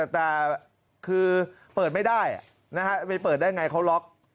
แต่คือเปิดไม่ได้จะไปเปิดได้ไงเขาล็อก